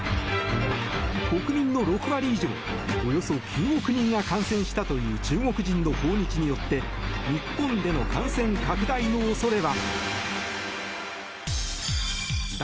国民の６割以上およそ９億人が感染したという中国人の訪日によって日本での感染拡大の恐れは。